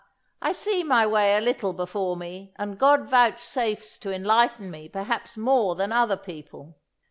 I see my way a little before me, and God vouchsafes to enlighten me perhaps more than other people....